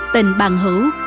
tình bằng hữu